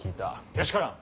けしからん。